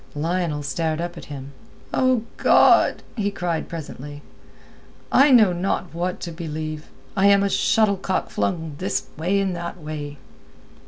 Lionel stared up at him. "O God!" he cried presently, "I know not what to believe. I am a shuttle cock flung this way and that way."